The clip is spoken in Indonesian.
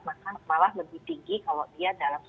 maka malah lebih tinggi kalau dia dalam